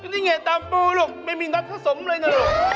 นี่ไงตำปูลูกไม่มีนักสะสมเลยน่ะ